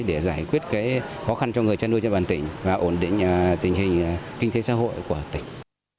để giải quyết khó khăn cho người chăn nuôi trên bàn tỉnh và ổn định tình hình kinh tế xã hội của tỉnh